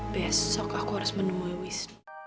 besok aku harus menemui wisnu